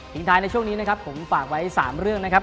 ท้ายในช่วงนี้นะครับผมฝากไว้๓เรื่องนะครับ